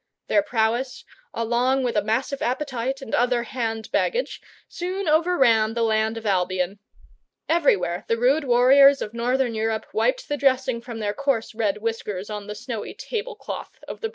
Their prowess, along with a massive appetite and other hand baggage, soon overran the land of Albion. Everywhere the rude warriors of northern Europe wiped the dressing from their coarse red whiskers on the snowy table cloth of the Briton.